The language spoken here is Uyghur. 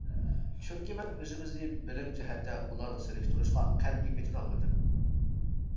چۈنكى مەن ئۆزىمىزنى بىلىم جەھەتتە ئۇلارغا سېلىشتۇرۇشقا قەتئىي پېتىنالمىدىم.